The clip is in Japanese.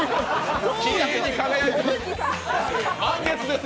きれいに輝いています。